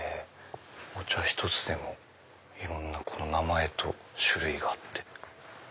お茶ひとつでもいろんな名前と種類があって。